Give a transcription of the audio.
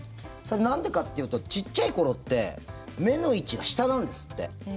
なんでかっていうと小っちゃい頃って目の位置が下なんですって。